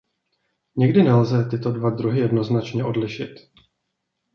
Někdy nelze tyto dva druhy jednoznačně odlišit.